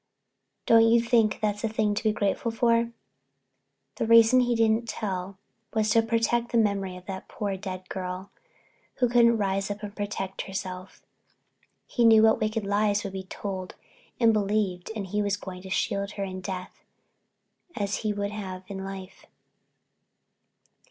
Don't you think that's a thing to be grateful for? The reason he didn't tell was to protect the memory of that poor dead girl, who couldn't rise up and protect herself. He knew what wicked lies would be told and believed and he was going to shield her in death as he would have in life.